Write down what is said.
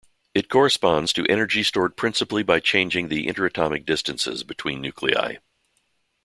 It corresponds to energy stored principally by changing the inter-atomic distances between nuclei.